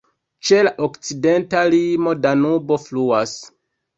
Ĉe la okcidenta limo Danubo fluas.